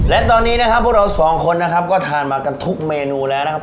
และตอนนี้นะครับพวกเราสองคนนะครับก็ทานมากันทุกเมนูแล้วนะครับ